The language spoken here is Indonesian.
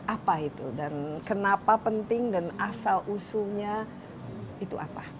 apa itu dan kenapa penting dan asal usulnya itu apa